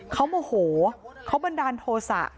เขาโมโหเขาบันดาลโทษะ